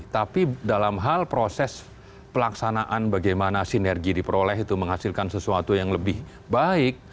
tapi dalam hal proses pelaksanaan bagaimana sinergi diperoleh itu menghasilkan sesuatu yang lebih baik